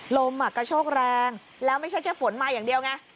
ลมกระโชกแรงแล้วไม่ใช่แค่ฝนมาอย่างเดียวไง